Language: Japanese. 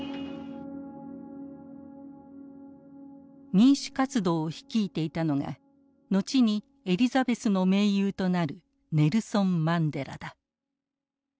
民主活動を率いていたのが後にエリザベスの盟友となるネルソン・マンデラだ。